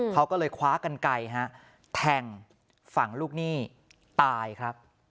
เขาก็เลยคว้ากันไกลแทงฝั่งลูกหนี้ตายครับ